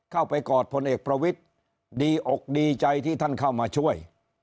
กอดพลเอกประวิทธิ์ดีอกดีใจที่ท่านเข้ามาช่วย